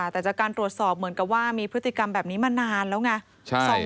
แต่จากการตรวจสอบเหมือนกับว่ามีพฤติกรรมแบบนี้มานานแล้วไง